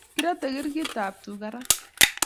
Kirate chrik ab tuka raa